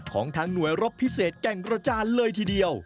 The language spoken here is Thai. ของทางหน่วยรบพิเศษแก่งกระจานเลยทีเดียว